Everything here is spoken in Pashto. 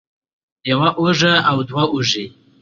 يوه اوږه او دوه اوږې